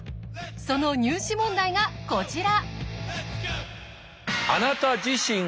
その入試問題がこちら。